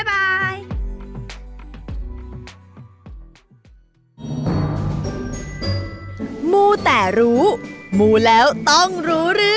บ๊ายบาย